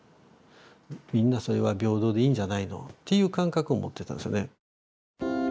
「みんなそれは平等でいいんじゃないの？」という感覚を持っていたんですよね。